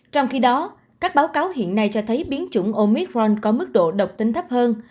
trong khi đó các báo cáo hiện nay cho thấy biến chủng omitron có mức độ độc tính thấp hơn